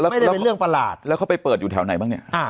ไม่ได้เป็นเรื่องปลาหลาดแล้วเขาไปเปิดอยู่แถวไหนบ้างเนี้ยอ่า